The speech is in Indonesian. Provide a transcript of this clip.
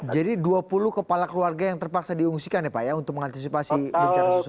jadi dua puluh kepala keluarga yang terpaksa diungsikan ya pak ya untuk mengantisipasi bencana susulan